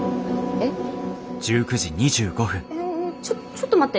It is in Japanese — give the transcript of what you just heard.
えちょちょっと待って。